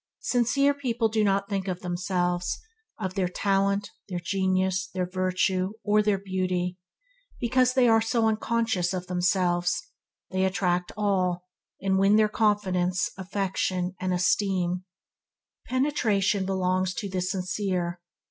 Sincere people do not think of themselves, of their talent, their genius, their virtue, their beautify and because they are so unconscious of themselves, they attract all, and win their confidence, affection, and esteem. Penetration belongs to the sincere.